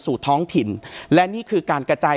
ท้องถิ่นและนี่คือการกระจาย